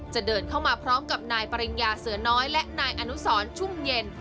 จะเดินเข้ามาพร้อมกับนายปริญญาเสือน้อยและนายอนุสรชุ่มเย็น